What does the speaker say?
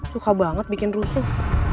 suka banget bikin rusuh